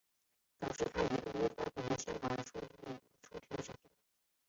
这导致他一度无法返回香港出庭应讯。